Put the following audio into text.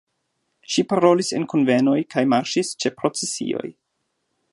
Ŝi parolis en kunvenoj kaj marŝis ĉe procesioj.